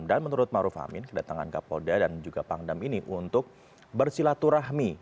menurut maruf amin kedatangan kapolda dan juga pangdam ini untuk bersilaturahmi